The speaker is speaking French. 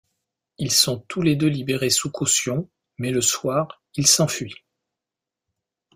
Ils sont tous les deux libérés sous caution mais le soir, ils s'enfuient.